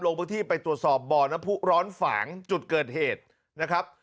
ลงพื้นที่ไปตรวจสอบบ่อน้ำผู้ร้อนฝางจุดเกิดเหตุนะครับ